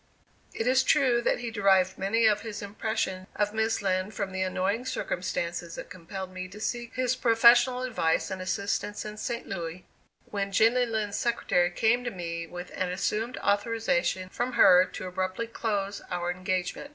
It is true that he derived many of his impressions of Miss Lind from the annoying circumstances that compelled me to seek his professional advice and assistance in St. Louis, when Jenny Lind's secretary came to me with an assumed authorization from her to abruptly close our engagement.